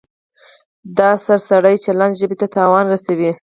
دا سرسري چلند ژبې ته زیان رسوي.